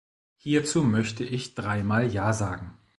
Hierzu möchte ich dreimal ja sagen.